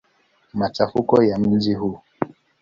Machafuko ya mji huu.